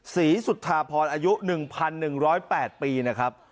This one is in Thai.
ศรีสุธาพรอายุ๑๑๐๘ปีนะครับ